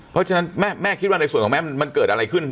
เพราะฉะนั้นแม่คิดว่าในส่วนของแม่มันเกิดอะไรขึ้น